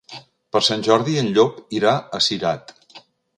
Per Sant Jordi en Llop irà a Cirat.